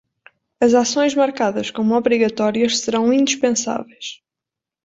As ações marcadas como obrigatórias serão indispensáveis.